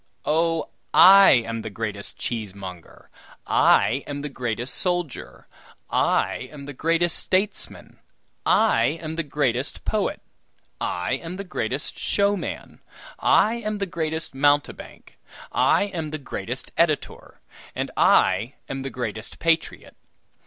Oh! I am the greatest cheesemonger, I am the greatest soldier, I am the greatest statesman, I am the greatest poet, I am the greatest showman, I am the greatest mountebank, I am the greatest editor, and I am the greatest patriot.